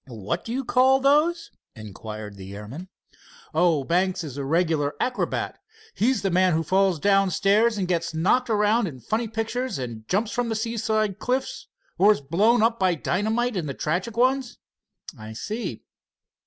"What do you call those?" inquired the airman. "Oh, Banks is a regular acrobat. He's the man who falls down stairs and gets knocked around in the funny pictures, and jumps from the seaside cliff or is blown up by dynamite in the tragic ones." "I see."